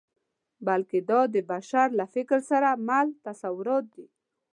بلکې دا د بشر له فکر سره مل تصورات دي.